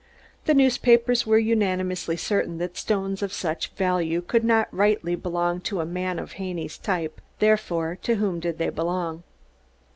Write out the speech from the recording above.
The newspapers were unanimously certain that stones of such value could not rightfully belong to a man of Haney's type, therefore, to whom did they belong?